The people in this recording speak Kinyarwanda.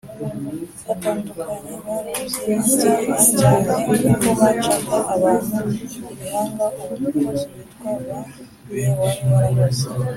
atandukanye bahoze batinywa cyane kuko bacaga abantu ibihanga Uwo mukozi witwa Ba Yee wari warahoze